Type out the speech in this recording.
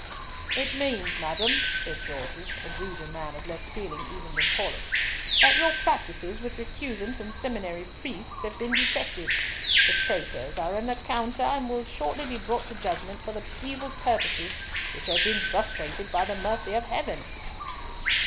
"It means, madam," said Gorges, a ruder man of less feeling even than Paulett, "that your practices with recusants and seminary priests have been detected. The traitors are in the Counter, and will shortly be brought to judgment for the evil purposes which have been frustrated by the mercy of Heaven."